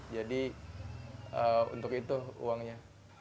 jadi untuk itu uangnya